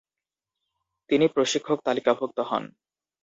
তিনি প্রশিক্ষক তালিকাভুক্ত হন।